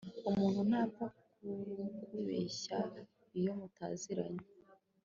umuntu ntapfa kukubeshya iyo mutaziranye